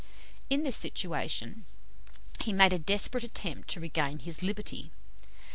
In this situation he made a desperate attempt to regain his liberty.